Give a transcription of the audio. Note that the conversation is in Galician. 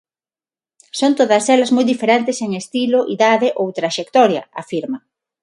"Son todas elas moi diferentes, en estilo, idade ou traxectoria", afirma.